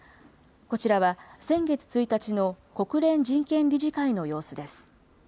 こちらは、先月１日の国連人権理事会の様子です。